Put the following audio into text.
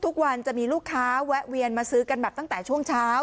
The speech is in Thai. ทุกวันจะมีลูกค้าแวะเวียนมาซื้อกันแบบตั้งแต่ช่วงเช้า